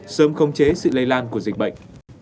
sớm không chế sự lây lan của dịch bệnh